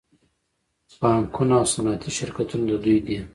بانکونه او صنعتي شرکتونه د دوی دي